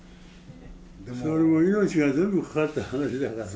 それも命が全部かかった話だから。